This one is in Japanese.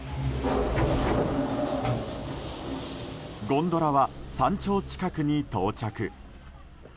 ゴンドラは山頂近くに到着。